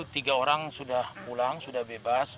tiga orang sudah pulang sudah bebas